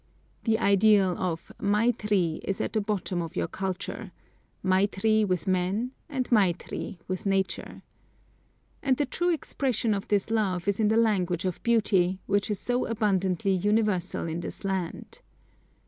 The ideal of "maitri" is at the bottom of your culture, "maitri" with men and "maitri" with Nature. And the true expression of this love is in the language of beauty, which is so abundantly universal in this land.